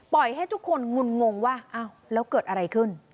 ให้ทุกคนงุ่นงงว่าอ้าวแล้วเกิดอะไรขึ้น